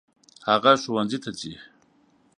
هغه ښوونځي ته ځي.